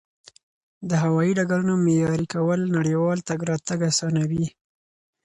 د هوایي ډګرونو معیاري کول نړیوال تګ راتګ اسانوي.